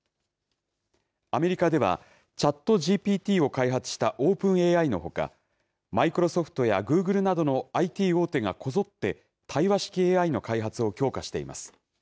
アメリカではＣｈａｔＧＰＴを開発したオープンＡＩのほかマイクロソフトやグーグルなどのＩＴ大手がこぞって対話式ＡＩの開発を強化しています。